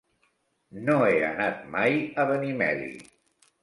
No he anat mai a Benimeli.